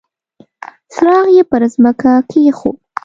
څراغ يې پر ځمکه کېښود.